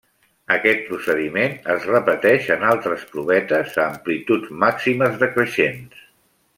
Aquest procediment es repeteix en altres provetes a amplituds màximes decreixents.